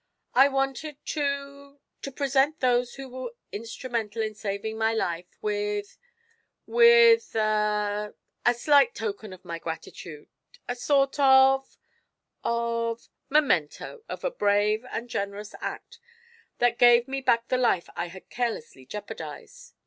I wanted to to present those who were instrumental in saving my life with with a a slight token of my gratitude a sort of of memento of a brave and generous act that gave me back the life I had carelessly jeopardized.